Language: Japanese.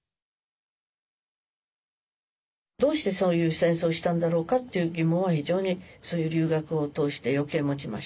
どうしてそういう戦争をしたんだろうかっていう疑問は非常にそういう留学を通して余計持ちましたね。